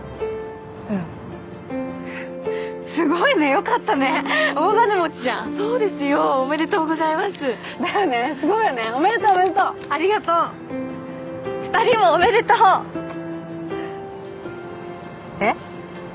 うんすごいねよかったね大金持ちじゃんそうですよおめでとうございますだよねすごいよねおめでとうおめでとうありがとう２人もおめでとうえっ？